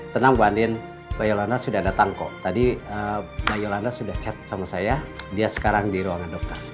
tenang bu andinolana sudah datang kok tadi mbak yolanda sudah chat sama saya dia sekarang di ruangan dokter